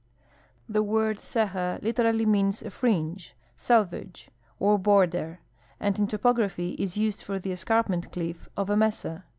The word ceja literally means a fringe, selvage, or border, and in to ])ography is used for the escarpment cliff of a mesa.